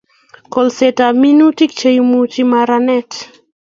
Kolset ab minutik Che imuchi maranet